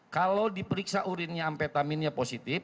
kalau diperiksa urinnya amfetaminnya positif